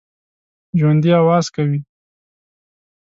ژوندي آواز کوي